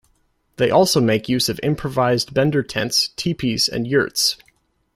They also make use of improvised bender tents, tipis and yurts.